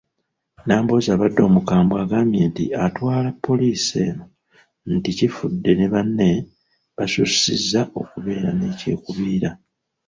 Nambooze abadde omukambwe agambye nti atwala poliisi eno nti Kifudde ne banne, basussizza okubeera n'ekyekubiira.